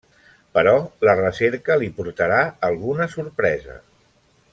Però la recerca li portarà alguna sorpresa.